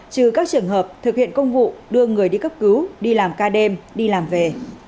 trừ các trường hợp thực hiện công vụ đưa người đi cấp cứu đi làm ca đêm đi làm về